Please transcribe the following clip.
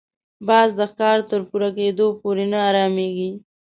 باز د ښکار تر پوره کېدو پورې نه اراميږي